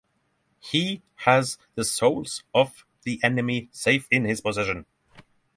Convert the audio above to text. He has the souls of the enemy safe in his possession.